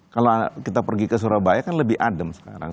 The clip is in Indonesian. kalau kita pergi ke surabaya kan lebih adem sekarang